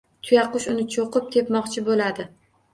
Tuyaqush uni cho‘qib tepmoqchi bo‘ladi.